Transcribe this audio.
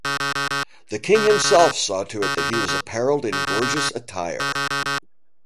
The king himself saw to it that he was apparelled in gorgeous attire.